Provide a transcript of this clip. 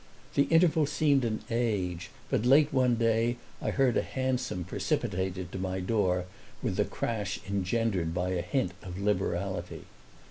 The interval seemed an age, but late one day I heard a hansom precipitated to my door with the crash engendered by a hint of liberality.